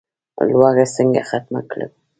لوږه څنګه ختمه کړو؟